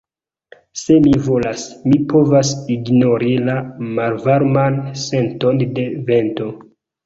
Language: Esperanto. Se mi volas, mi povas ignori la malvarman senton de vento.